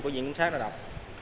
của diện kiến sát đã đọc